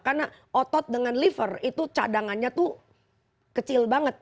karena otot dengan liver itu cadangannya tuh kecil banget